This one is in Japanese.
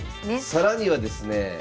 更にはですね